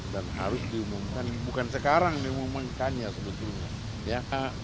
dan harus diumumkan bukan sekarang diumumkannya sebetulnya